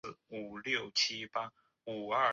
一个位元流是一个位元的序列。